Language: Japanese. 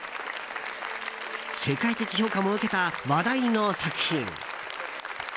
世界的評価も受けた話題の作品。